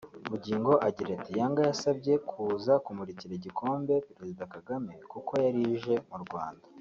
Bugingo agira ati “Yanga yasabye kuza kumurikira igikombe Perezida Kagame kuko yari ije mu Rwanda